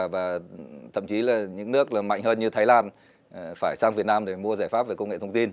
và thậm chí là những nước mạnh hơn như thái lan phải sang việt nam để mua giải pháp về công nghệ thông tin